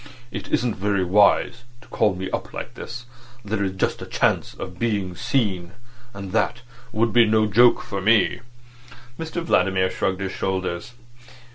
It isn't very wise to call me up like this. There is just a chance of being seen. And that would be no joke for me." Mr Vladimir shrugged his shoulders.